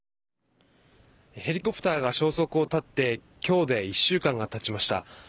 ヘリコプターが消息を絶って今日で１週間がたちました。